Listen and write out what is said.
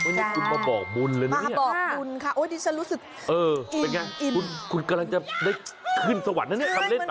คุณมาบอกบุญเลยเนี่ยค่ะค่ะเป็นยังไงคุณกำลังจะได้ขึ้นสวรรค์แล้วเนี่ย